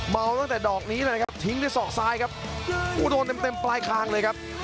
ตั้งแต่ดอกนี้เลยนะครับทิ้งด้วยศอกซ้ายครับโอ้โดนเต็มเต็มปลายคางเลยครับ